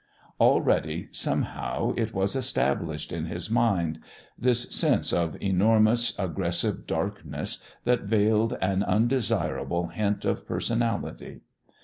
Already, somehow, it was established in his mind this sense of enormous, aggressive darkness that veiled an undesirable hint of personality.